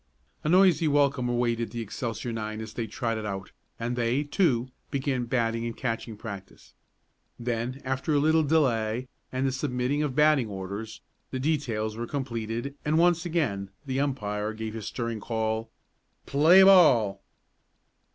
A noisy welcome awaited the Excelsior nine as they trotted out, and they, too, began batting and catching practice. Then, after a little delay and the submitting of batting orders, the details were completed, and once again the umpire gave his stirring call: "Play ball!"